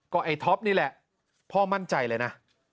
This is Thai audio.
ก็ไอ้ท็อปนี่แหละพ่อมั่นใจเลยนะ